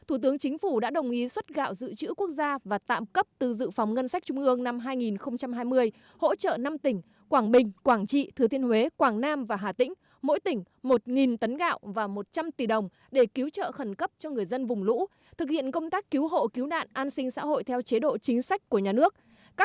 thủ tướng chính phủ đã đồng ý xuất gạo dự trữ quốc gia và tạm cấp từ dự phòng ngân sách trung ương năm hai nghìn hai mươi hỗ trợ năm tỉnh quảng bình quảng trị thứ thiên huế quảng nam và hà tĩnh mỗi tỉnh một tấn gạo và một trăm linh tỷ đồng để cứu trợ khẩn cấp cho người dân vùng lũ thực hiện công tác cứu hộ cứu nạn an sinh xã hội theo chế độ chính sách của nhà nước